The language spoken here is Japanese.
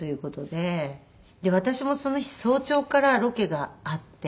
で私もその日早朝からロケがあって。